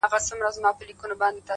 د زمان رحم ـ رحم نه دی؛ هیڅ مرحم نه دی؛